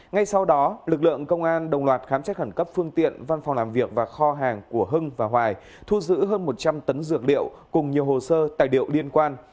ngay sau đó lực lượng công an đồng loạt khám xét khẩn cấp phương tiện văn phòng làm việc và kho hàng của hưng và hoài thu giữ hơn một trăm linh tấn dược liệu cùng nhiều hồ sơ tài liệu liên quan